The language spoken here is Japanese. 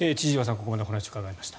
ここまでお話を伺いました。